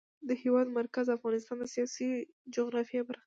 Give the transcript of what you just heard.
د هېواد مرکز د افغانستان د سیاسي جغرافیه برخه ده.